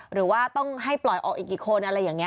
หรือว่าต้องให้ปล่อยออกอีกกี่คนอะไรอย่างนี้